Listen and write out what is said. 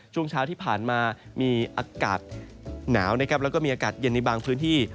ช่วงเช้าที่ผ่านมามีอากาศหนาวนะครับแล้วก็มีอากาศเย็นในบางพื้นที่